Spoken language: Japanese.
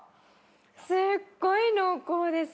すっごい濃厚です。